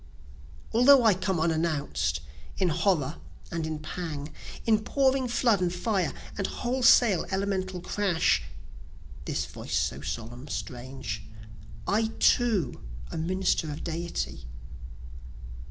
Although I come and unannounc'd, in horror and in pang, In pouring flood and fire, and wholesale elemental crash, (this voice so solemn, strange,) I too a minister of Deity.